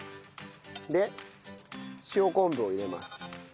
で塩昆布を入れます。